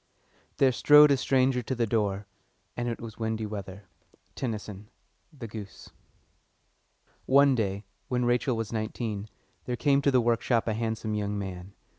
"There strode a stranger to the door, And it was windy weather." TENNYSON: The Goose. One day, when Rachel was nineteen, there came to the workshop a handsome young man.